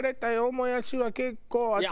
もやしは結構私。